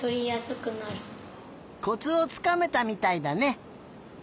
コツをつかめたみたいだね。